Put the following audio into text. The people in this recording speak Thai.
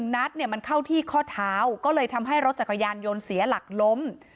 นัดเนี่ยมันเข้าที่ข้อเท้าก็เลยทำให้รถจักรยานยนต์เสียหลักล้ม